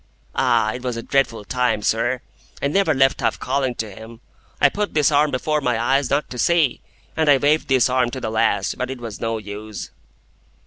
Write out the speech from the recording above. "Ah! it was a dreadful time, sir. I never left off calling to him. I put this arm before my eyes not to see, and I waved this arm to the last; but it was no use."